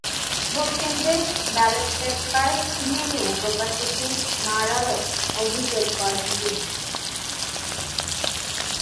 ভোটকেন্দ্রে ballot paper ছিনিয়ে নিয়ে প্রকাশ্যে সিল মারারও অভিযোগ করেন তিনি।